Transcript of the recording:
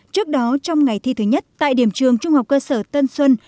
trước đó trong ngày thi thứ nhất tại điểm trường trung học cơ sở tân xuân